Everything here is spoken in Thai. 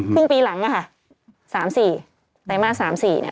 ครึ่งปีหลังนะคะใดมาที่๓